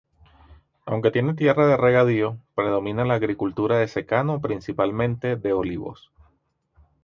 Aunque tiene tierra de regadío, predomina la agricultura de secano principalmente de olivos.